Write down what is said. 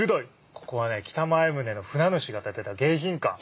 ここはね北前船の船主が建てた迎賓館。